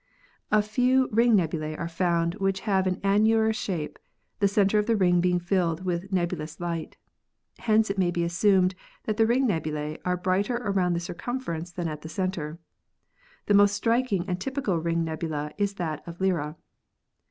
A few ring nebulae are found which have an annular shape, the center of the ring being filled with nebulous light. Hence it may be assumed that the ring nebulae are brighter around the circumference than at the center. The most striking and typical ring nebula is that of Lyra.